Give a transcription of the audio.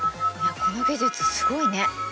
いやこの技術すごいね！